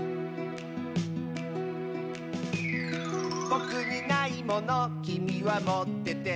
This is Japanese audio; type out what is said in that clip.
「ぼくにないものきみはもってて」